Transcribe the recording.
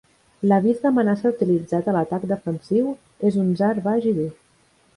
L'avís d'amenaça utilitzat a l'atac defensiu és un zaar baix i dur.